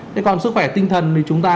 thế còn sức khỏe tinh thần thì chúng ta